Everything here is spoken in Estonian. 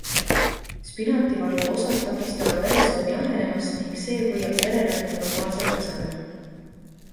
Spinativalgu osad takistavad veresooni ahenemast ning see hoiab vererõhu normaalsel tasemel.